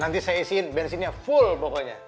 nanti saya isiin bensinnya full pokoknya